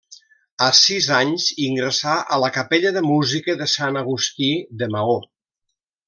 A sis anys ingressà a la capella de música de Sant Agustí, de Maó.